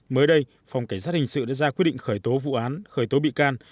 mới đây phòng cảnh sát hình sự đã ra quyết định khởi tố vụ án khởi tố bị can